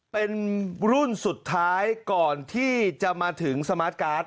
เป็นรุ่นสุดท้ายก่อนที่จะมาถึงสมาร์ทการ์ด